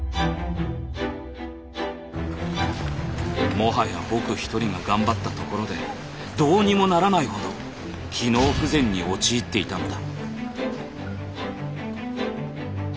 もはや僕一人が頑張ったところでどうにもならないほど機能不全に陥っていたのだ。